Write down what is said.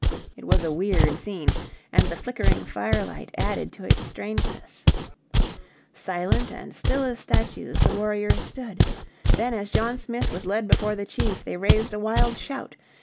It was a weird scene, and the flickering firelight added to its strangeness. Silent and still as statues the warriors stood. Then as John Smith was led before the chief they raised a wild shout.